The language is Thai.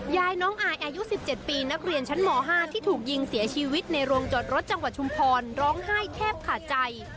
ยายน้องอายอายุ๑๗ปีนักเรียนชั้นม๕ที่ถูกยิงเสียชีวิตในโรงจอดรถจังหวัดชุมพรร้องไห้แทบขาดใจ